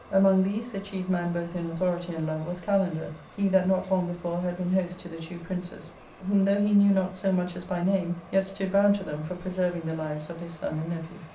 Among these, the chief man both in authority and love was Kalander, he that not long before had been host to the two princes, whom though he knew not so much as by name, yet stood bound to them for preserving the lives of his son and nephew.